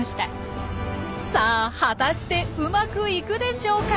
さあ果たしてうまくいくでしょうか？